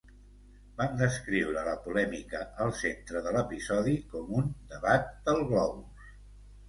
Van descriure la polèmica al centre de l'episodi com un "debat del globus".